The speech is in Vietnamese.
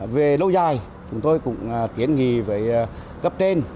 về lâu dài chúng tôi cũng kiến nghị với cấp trên